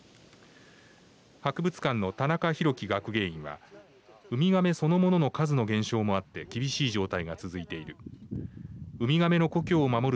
博物館の田中宇輝学芸員はウミガメそのものの数の減少もあって厳しい状態が続いている。